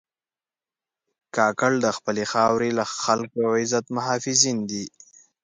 کاکړ د خپلې خاورې، خلکو او عزت محافظین دي.